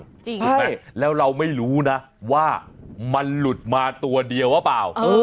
ถูกไหมแล้วเราไม่รู้นะว่ามันหลุดมาตัวเดียวหรือเปล่า